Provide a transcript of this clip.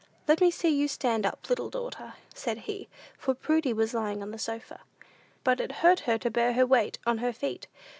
"Just let me see you stand up, little daughter," said he; for Prudy was lying on the sofa. But it hurt her to bear her weight on her feet.